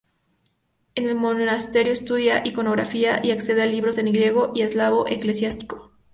En el monasterio estudia iconografía y accede a libros en griego y eslavo eclesiástico.